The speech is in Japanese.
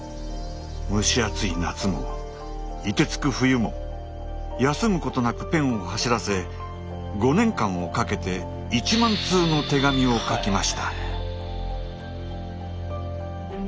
蒸し暑い夏も凍てつく冬も休むことなくペンを走らせ５年間をかけて１万通の手紙を書きました。